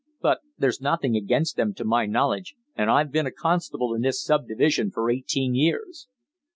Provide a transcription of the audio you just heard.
But there's nothing against them, to my knowledge, and I've been a constable in this sub division for eighteen years."